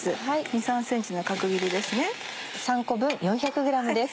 ２３ｃｍの角切りですね。